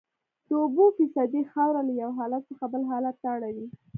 د اوبو فیصدي خاوره له یو حالت څخه بل حالت ته اړوي